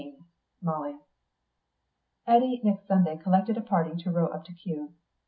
MOLLY. Eddy next Sunday collected a party to row up to Kew.